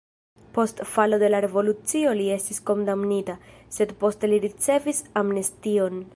Post falo de la revolucio li estis kondamnita, sed poste li ricevis amnestion.